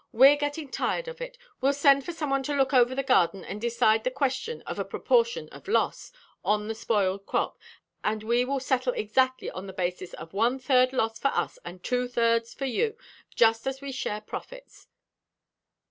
We're getting tired of it. We'll send for someone to look over the garden, and decide the question of the proportion of loss on the spoiled crop, and we will settle exactly on the basis of one third loss for us and two thirds for you, just as we share profits."